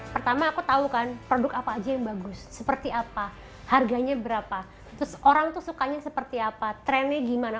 pertama aku tahu kan produk apa aja yang bagus seperti apa harganya berapa terus orang tuh sukanya seperti apa trennya gimana